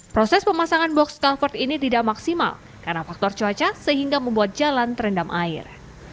proses pemasangan box culvert ini tidak maksimal karena faktor cuaca sehingga membuat jalan terendam air